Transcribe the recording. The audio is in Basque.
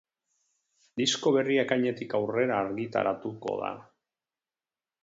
Disko berria ekainetik aurrera argitaratuko da.